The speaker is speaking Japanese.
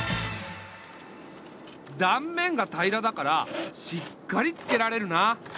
だんめんが平らだからしっかりつけられるな。